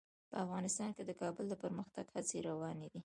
په افغانستان کې د کابل د پرمختګ هڅې روانې دي.